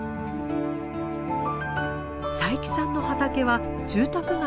佐伯さんの畑は住宅街の裏手。